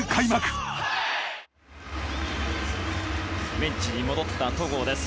ベンチに戻った戸郷です。